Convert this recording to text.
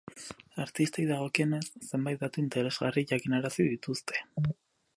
Artistei dagokionez, zenbait datu interesgarri jakinarazi dituzte.